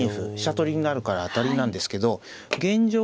取りになるから当たりなんですけど現状